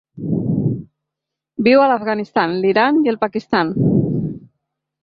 Viu a l'Afganistan, l'Iran i el Pakistan.